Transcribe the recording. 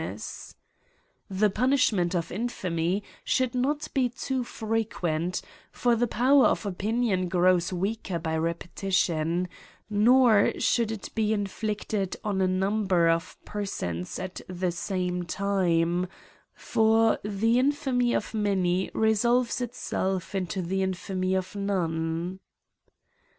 84 AN ESSAY ON The punishment of infamy should not be too frequent, for the power of opinion grows weaker by repetition; nor should it be inflicted on a num ber of persons at the same time, for the infamy of many resolves itself into the infamy of none.